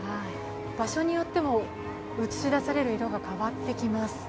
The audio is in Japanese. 場所によっても映し出される色が変わってきます。